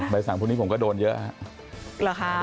ใบสั่งพรุ่งนี้ผมก็โดนเยอะ